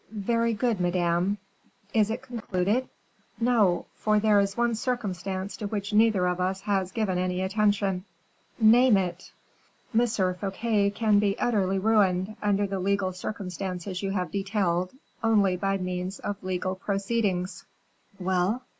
"Very good, madame." "Is it concluded?" "No; for there is one circumstance to which neither of us has given any attention." "Name it!" "M. Fouquet can be utterly ruined, under the legal circumstances you have detailed, only by means of legal proceedings." "Well?"